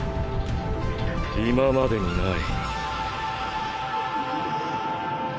今までにない。